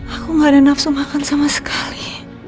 aku gak ada nafsu makan sama sekali